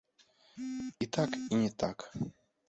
І так і не так.